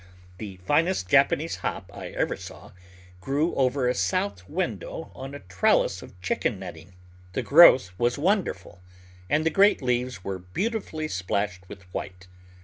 The finest Japanese Hop I ever saw grew over a south window on a trellis of chicken netting; the growth was wonderful, and the great leaves were beautifully splashed with white.